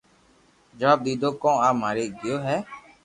جواب ديدو ڪو او مري گيو ھي